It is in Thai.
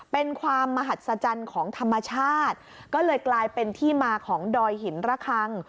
เป็นความมหัศจรรย์ของธรรมชาติก็เลยกลายเป็นที่มาของดอยหินระคัง